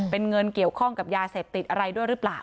เป็นเงินเกี่ยวข้องกับยาเสพติดอะไรด้วยหรือเปล่า